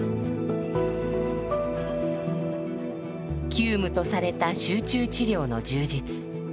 急務とされた集中治療の充実。